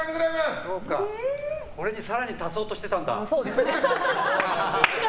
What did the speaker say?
これに更に足そうとしていたんだ。